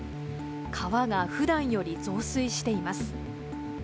川がふだんより増水しています。